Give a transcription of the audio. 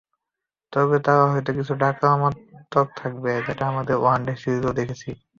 তবে তারাও হয়তো কিছুটা আক্রমণাত্মক থাকবে, যেটা আমরা ওয়ানডে সিরিজেও দেখেছি।